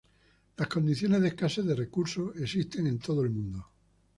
Las condiciones de escasez de recursos existen en todo el mundo.